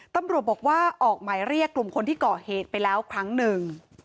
ตำรวจบอกว่าออกหมายเรียกกลุ่มคนที่ก่อเหตุไปแล้วครั้งหนึ่ง